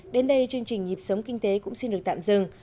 đến đây chương trình nhịp sống kinh tế cũng xin được tạm dừng